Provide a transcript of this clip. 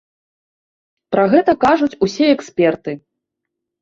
Пра гэта кажуць усе эксперты.